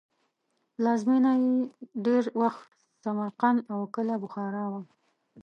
پلازمینه یې ډېر وخت سمرقند او کله بخارا وه.